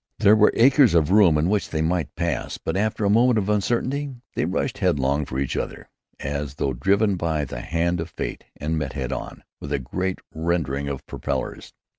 There were acres of room in which they might pass, but after a moment of uncertainty, they rushed headlong for each other as though driven by the hand of fate, and met head on, with a great rending of propellers.